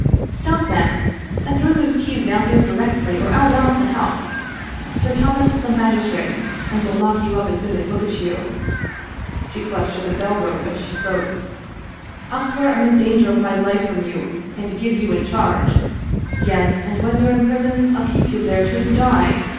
" Stop that, and throw those keys down here directly, or I'll rouse the house. Sir Thomas is a magistrate, and will lock you up as soon as look at you." She clutched at the bell rope as she spoke. " I'll swear I'm in danger of my life from you and give you in charge. Yes, and when you're in prison I'll keep you there till you die.